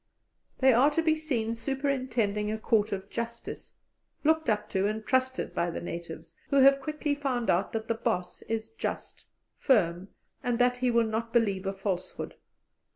They are to be seen superintending a court of justice, looked up to and trusted by the natives, who have quickly found out that the "boss" is just, firm, and that he will not believe a falsehood.